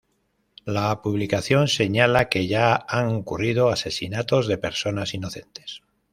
La publicación señala que ya han ocurrido asesinatos de personas inocentes.